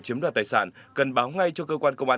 chiếm đoạt tài sản cần báo ngay cho cơ quan công an